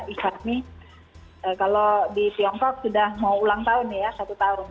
islam ini kalau di tiongkok sudah mau ulang tahun ya satu tahun